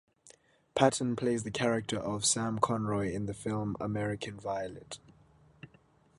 Patton plays the character of Sam Conroy in the film "American Violet".